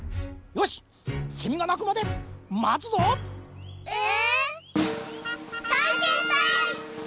よしっせみがなくまでまつぞ！え？